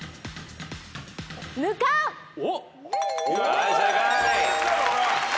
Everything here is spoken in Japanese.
はい正解。